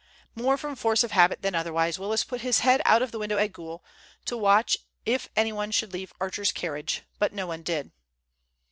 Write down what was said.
More from force of habit than otherwise, Willis put his head out of the window at Goole to watch if anyone should leave Archer's carriage. But no one did.